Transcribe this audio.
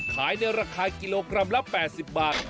ในราคากิโลกรัมละ๘๐บาท